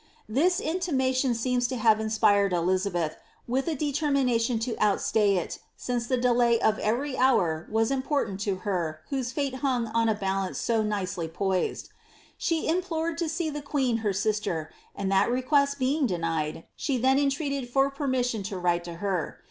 "^ This intimation seems to have inspired Elizabeth with a determination to outstay it, since the delay of every boor was important to her whose fate hung on a balance so nicely poised. She implored to see the queen her sister, and that request being denied, she then entreated for permission to write to her.